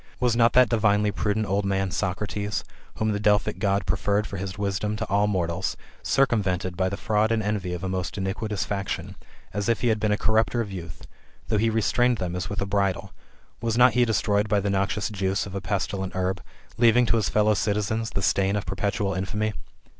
Was not that divinely prudent old man [Socratws], whom the Delphic God preferred for his wisdom to all mortals, circumvented by the fraud and envy of a most iniquitous faction, as if he had been a corrupter of youth, though he restrained them as with a bridle ; was not he des troyed by the noxious juice of a pestilent herb, leaving to his fellow citizens the stain of perpetual infamy